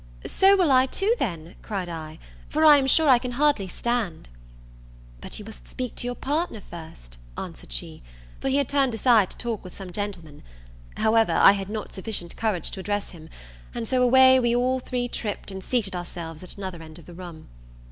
"So will I too, then," cried I, "for I am sure I can hardly stand." "But you must speak to your partner first," answered she; for he had turned aside to talk with some gentlemen. However, I had not sufficient courage to address him; and so away we all three tript, and seated ourselves at another end of the room.